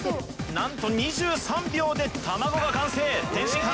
なんと２３秒で卵が完成天津飯